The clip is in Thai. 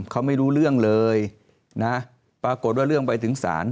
เขาไม่รู้เรื่องเลยนะปรากฏว่าเรื่องไปถึงศาล